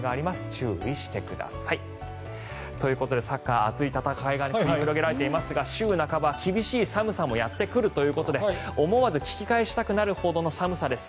注意してください。ということでサッカー熱い戦いが繰り広げられていますが週半ば、厳しい寒さもやってくるということで思わず聞き返したくなるほどの寒さです。